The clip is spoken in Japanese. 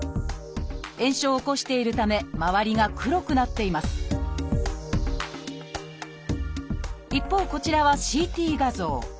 炎症を起こしているため周りが黒くなっています一方こちらはＣＴ画像。